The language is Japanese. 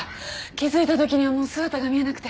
気づいた時にはもう姿が見えなくて。